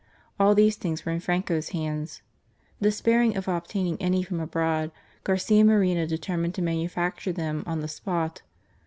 All these things were in Franco's hands.. Despairing of obtaining any from abroad, Garcia Moreno determined to manufacture them on the spot.